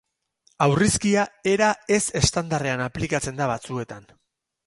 Aurrizkia era ez-estandarrean aplikatzen da batzuetan.